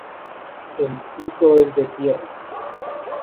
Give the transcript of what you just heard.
El piso es de tierra.